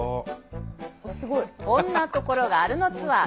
こんなところがあるのツアー